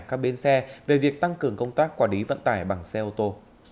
các bến xe về việc tăng cường công tác quản lý vận tải bằng xe ô tô